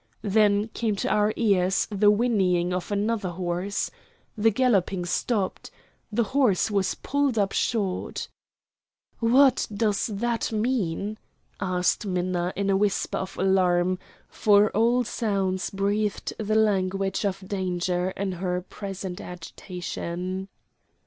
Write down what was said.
Then came to our ears the whinnying of another horse. The galloping stopped. The horse was pulled up short. "What does that mean?" asked Minna in a whisper of alarm; for all sounds breathed the language of danger in her present agitation.